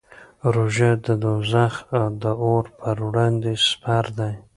روژه د دوزخ د اور پر وړاندې سپر دی.